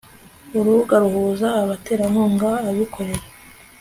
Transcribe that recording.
urubuga ruhuza abaterankunga, abikorera